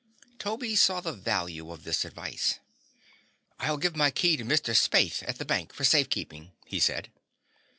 Toby saw the value of this advice. "I'll give my key to Mr. Spaythe, at the bank, for safe keeping," he said.